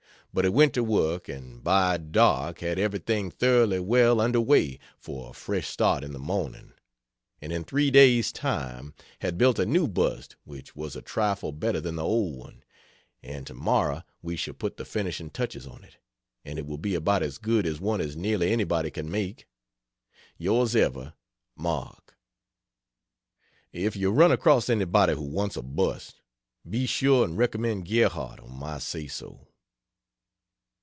But he went to work, and by dark had everything thoroughly well under way for a fresh start in the morning; and in three days' time had built a new bust which was a trifle better than the old one and to morrow we shall put the finishing touches on it, and it will be about as good a one as nearly anybody can make. Yrs Ever MARK. If you run across anybody who wants a bust, be sure and recommend Gerhardt on my say so.